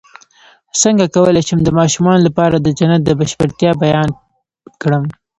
څنګه کولی شم د ماشومانو لپاره د جنت د بشپړتیا بیان کړم